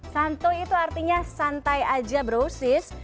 santuy itu artinya santai aja bro sis